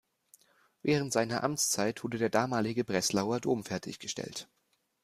Während seiner Amtszeit wurde der damalige Breslauer Dom fertiggestellt.